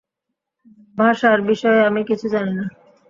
ভাষার বিষয়ে আমি কিছু জানি না।